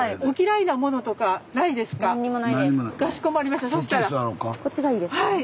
お嫌いなものとかないですか？